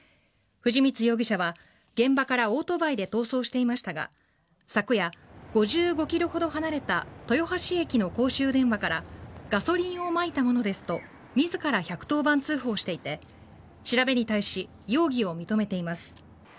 藤光容疑者は現場からオートバイで逃走していましたが昨夜、５５ｋｍほど離れた豊橋駅の公衆電話からガソリンをまいた者ですと自ら１１０番通報していて調べに対し、容疑を認めています。